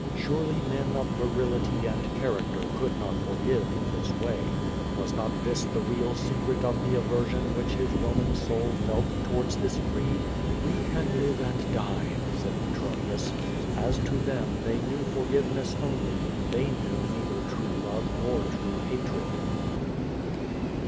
Surely men of virility and character could not forgive in this way. Was not this the real secret of the aversion which hi:^ Roman soul felt towards this creed? "We can live and die/" said Petronius. As to them they knew forgiveness only, they knew neither true love or true hatred.